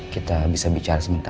kita bisa bicara sementar